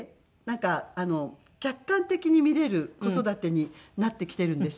なんか客観的に見れる子育てになってきているんですよ。